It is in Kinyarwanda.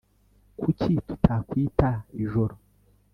Kuki tutakwita ijoro